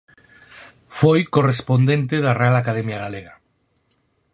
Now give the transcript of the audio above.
Foi correspondente da Real Academia Galega.